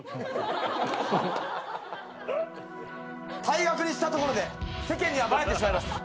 退学にしたところで世間にはバレてしまいます。